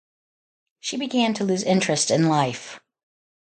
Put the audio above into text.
She began to lose interest in life.